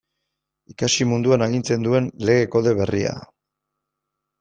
Ikasi munduan agintzen duen Lege Kode berria.